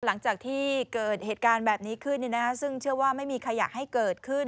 หลังจากที่เกิดเหตุการณ์แบบนี้ขึ้นซึ่งเชื่อว่าไม่มีใครอยากให้เกิดขึ้น